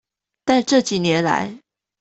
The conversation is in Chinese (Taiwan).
但這幾年來